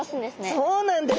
そうなんです。